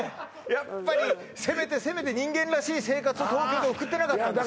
やっぱりせめてせめて人間らしい生活を東京で送ってなかったんですね